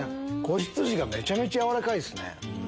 子羊がめちゃめちゃ軟らかいですね。